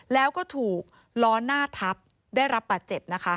แล้วก็ถูกล้อหน้าทับได้รับประเจ็บ